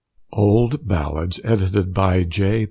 OLD BALLADS, Edited by J.